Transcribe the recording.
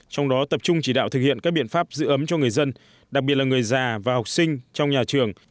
trong đó tập trung chỉ đạo thực hiện các biện pháp giữ ấm cho người dân đặc biệt là người già và học sinh trong nhà trường